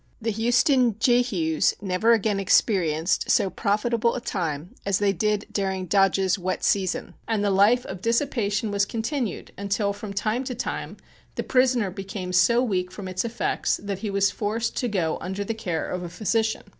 The Houston jehus never again experienced so profitable a time as they did during Dodge's wet season; and the life of dissipation was continued until, from time to time, the prisoner became so weak from its effects that he was forced to go under the care of a physician.